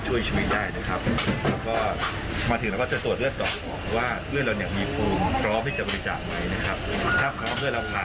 เชิญชวนให้มาบริจาคกันเยอะค่ะ